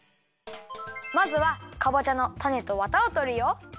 まずはかぼちゃのたねとワタをとるよ。